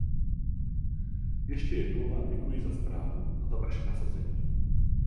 Ještě jednou vám děkuji za zprávu a za vaše nasazení.